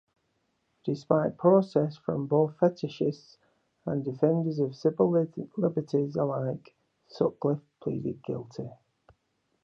Despite protest from both fetishists and defenders of civil liberties alike, Sutcliffe pleaded guilty.